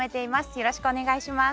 よろしくお願いします。